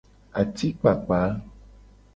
Atikpakpa.